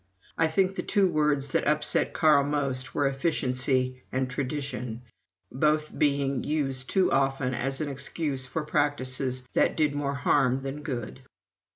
I think the two words that upset Carl most were "efficiency" and "tradition" both being used too often as an excuse for practices that did more harm than good.